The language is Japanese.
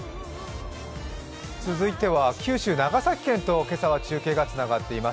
続いては九州・長崎県と中継がつながっています。